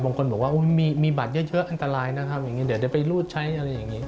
บางคนบอกว่ามีบัตรเยอะอันตรายนะครับอย่างนี้เดี๋ยวจะไปรูดใช้อะไรอย่างนี้